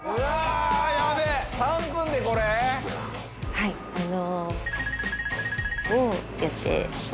はいあの。